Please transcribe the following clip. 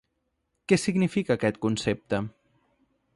Què significa aquest concepte?